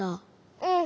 うん。